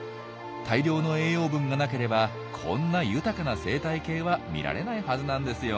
大量の栄養分が無ければこんな豊かな生態系は見られないはずなんですよ。